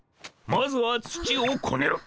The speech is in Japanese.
まずは土をこねる。